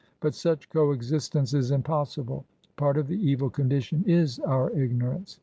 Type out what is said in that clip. But such co existence is impossible. Part of the evil condition is our ignorance.